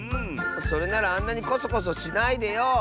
それならあんなにこそこそしないでよ！